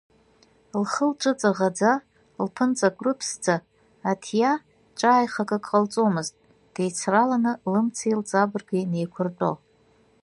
Лхы-лҿы ҵаӷаӡа, лԥынҵа кәрыԥсӡа, Аҭиа ҿааихакык ҟалҵомызт, деицраланы, лымци лҵабырги неиқәыртәо.